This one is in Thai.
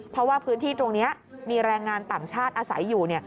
เพราะว่าพื้นที่ตรงนี้มีแรงงานต่างชาติอาศัยอยู่